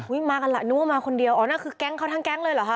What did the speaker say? มากันล่ะนึกว่ามาคนเดียวอ๋อนั่นคือแก๊งเขาทั้งแก๊งเลยเหรอคะ